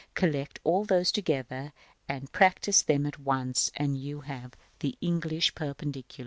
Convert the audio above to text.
Collect all these together, and practise them at once, and you have the English Perpendicular.